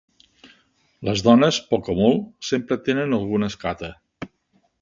Les dones, poc o molt, sempre tenen alguna escata